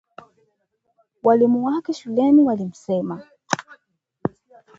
walimu wake shuleni walimsema